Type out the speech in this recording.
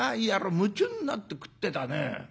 夢中になって食ってたね。